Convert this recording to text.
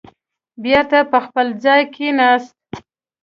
بېرته په خپل ځای کېناست.